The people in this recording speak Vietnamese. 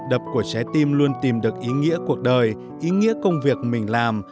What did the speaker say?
trong ông là nhịp đập của trái tim luôn tìm được ý nghĩa cuộc đời ý nghĩa công việc mình làm